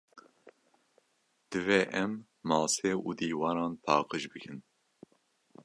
Divê em mase û dîwaran paqij bikin.